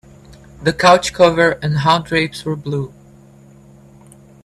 The couch cover and hall drapes were blue.